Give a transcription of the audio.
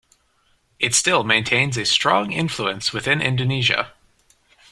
It still maintains a strong influence within Indonesia.